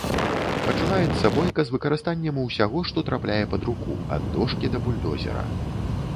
Пачынаецца бойка з выкарыстаннем усяго, што трапляе пад руку, ад дошкі да бульдозера.